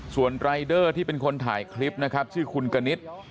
ส่วนรายเดอร์ที่เป็นคนถ่ายคลิปนะครับชื่อคุณกณิต